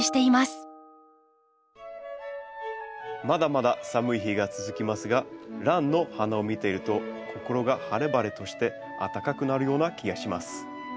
まだまだ寒い日が続きますがランの花を見ていると心が晴れ晴れとしてあったかくなるような気がします。